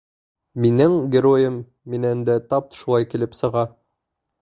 Минең геройым менән дә тап шулай килеп сыға.